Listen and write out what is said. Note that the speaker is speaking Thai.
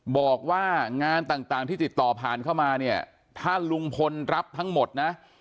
บอกว่างานต่างที่ติดต่อผ่านเข้ามาเนี่ยถ้าลุงพลรับทั้งหมดนะ